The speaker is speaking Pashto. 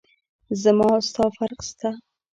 زما او ستا فرق سته.